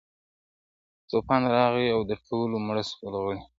• توپان راغی او د ټولو مړه سول غړي -